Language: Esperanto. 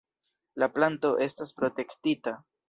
La planto estas protektita.